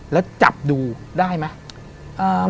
แล้วจับดูได้ไหม